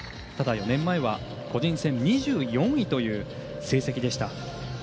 ただ、４年前は個人戦２４位という成績でした。